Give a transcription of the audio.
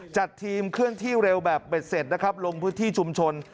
จัดทีมเคลื่อนที่เร็วแบบเบ็ดเสร็จนะครับลงพื้นที่ชุมชน